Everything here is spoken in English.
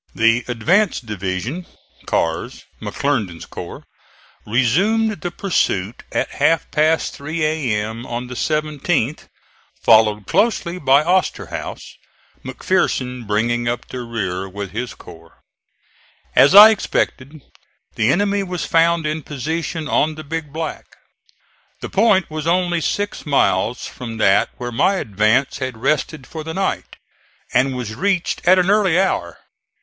The advance division, Carr's (McClernand's corps), resumed the pursuit at half past three A.M. on the 17th, followed closely by Osterhaus, McPherson bringing up the rear with his corps. As I expected, the enemy was found in position on the Big Black. The point was only six miles from that where my advance had rested for the night, and was reached at an early hour.